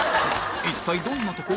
一体どんなとこ？